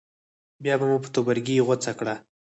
بیا به مو په تبرګي غوڅه کړه.